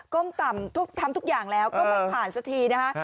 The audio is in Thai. เข้ามาทำทุกอย่างแล้วมันผ่านสักทีนะ